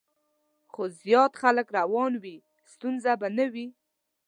خو زیات خلک روان وي، ستونزه به نه وي.